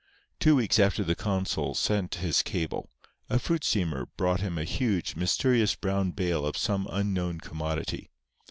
Two weeks after the consul sent his cable, a fruit steamer brought him a huge, mysterious brown bale of some unknown commodity.